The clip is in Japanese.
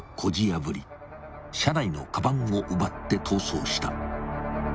［車内のかばんを奪って逃走した］